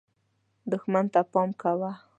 دښمن ته پام کوه .